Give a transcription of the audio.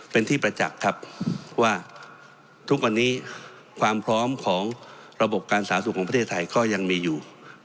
เป็นที่ประจักษ์ครับว่าทุกวันนี้ความพร้อมของระบบการสาธารณสุขของประเทศไทยก็ยังมีอยู่